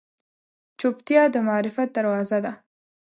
چوپتیا، د معرفت دروازه ده.